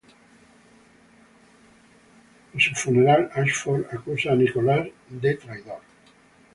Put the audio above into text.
En su funeral, Ashford acusa a Nikola como el traidor.